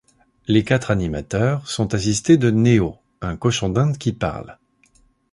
Les quatre animateurs sont assistés de Néo, un cochon d'Inde qui parle.